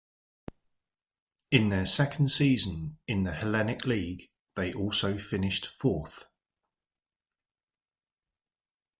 In their second season in the Hellenic League they also finished fourth.